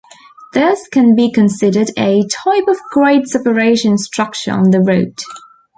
This can be considered a type of grade separation structure on the road.